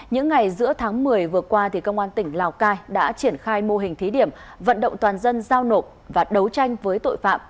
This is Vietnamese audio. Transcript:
những ngày giữa tháng một mươi vừa qua công an tỉnh lào cai đã triển khai mô hình thí điểm vận động toàn dân giao nộp và đấu tranh với tội phạm